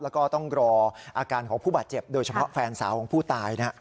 แล้วก็ต้องรออาการของผู้บาดเจ็บโดยเฉพาะแฟนสาวของผู้ตาย